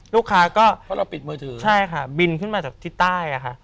ลูกค้าก็เพราะเราปิดมือถือใช่ค่ะบินขึ้นมาจากทิศใต้อะค่ะ